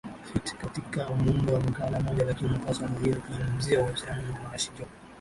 fit katika muundo wa makala moja lakini unapaswa dhahiri kuzungumzia uhusiano na waashi John